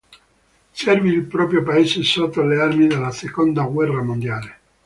Servì il proprio paese sotto le armi nella seconda guerra mondiale.